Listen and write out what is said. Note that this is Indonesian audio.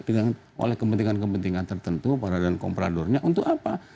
dengan oleh kepentingan kepentingan tertentu pada kompradornya untuk apa